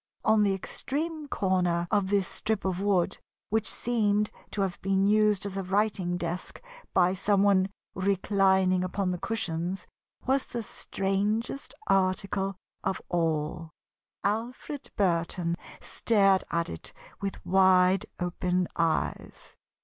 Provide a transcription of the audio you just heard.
On the extreme corner of this strip of wood, which seemed to have been used as a writing desk by some one reclining upon the cushions, was the strangest article of all. Alfred Burton stared at it with wide open eyes.